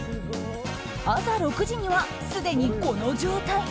朝６時には、すでにこの状態。